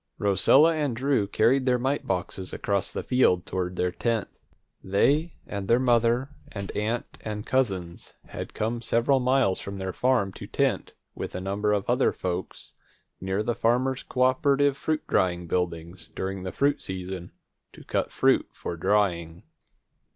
Rosella and Drew carried their mite boxes across the fields toward their tent. They and their mother and aunt and cousins had come several miles from their farm to tent, with a number of other folks, near the Farmers' Cooperative Fruit Drying buildings, during the fruit season, to cut fruit for drying.